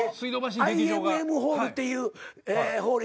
ＩＭＭホールっていうホール。